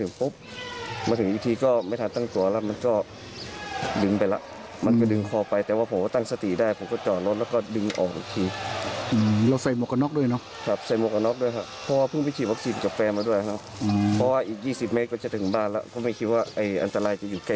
อู้ยแผนลึกเลยฟังเสียงเขาหน่อยค่ะ